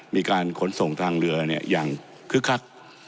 มีการขนส่งทางเรืออย่างคึกคัก